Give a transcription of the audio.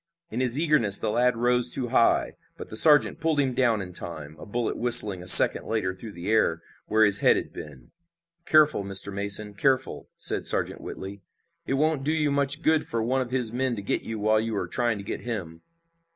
In his eagerness the lad rose too high, but the sergeant pulled him down in time, a bullet whistling a second later through the air where his head had been. "Careful, Mr. Mason! Careful!" said Sergeant Whitley. "It won't do you much good for one of his men to get you while you are trying to get him!"